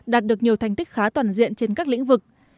đạt được nhiều thành tích khá toàn diện trên các lĩnh vực